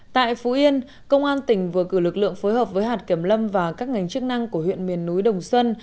tại phú yên công an tỉnh vừa cử lực lượng phối hợp với hạt kiểm lâm và các ngành chức năng của huyện miền núi đồng xuân